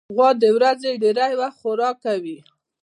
غوا د ورځې ډېری وخت خوراک کوي.